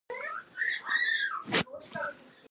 د لومړنیو چمتووالو له نیولو وروسته بل ګام اخیستل کیږي.